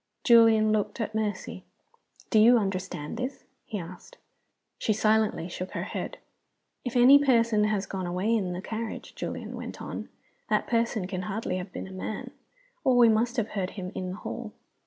Julian looked at Mercy. "Do you understand this?" he asked. She silently shook her head. "If any person has gone away in the carriage," Julian went on, "that person can hardly have been a man, or we must have heard him in the hall."